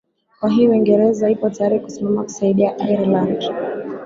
kwa hiyo uingereza ipo tayari kusimama kuisaidia ireland